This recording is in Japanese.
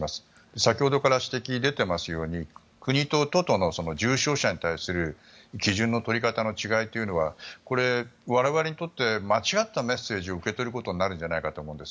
先ほどから指摘が出ていますように国と都との重症者に対する基準の取り方の違いというのはこれ、我々にとって間違ったメッセージを受け取ることになるんじゃないかと思うんです。